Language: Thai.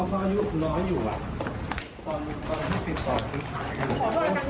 จะฝากอะไรถึงพ่อแม่น้องเขามั้ยอะ